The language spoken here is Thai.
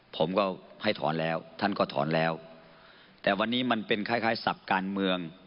ผมก็ให้ถอนแล้วท่านก็ถอนแล้วแต่วันนี้มันเป็นคล้ายคล้ายศัพท์การเมือง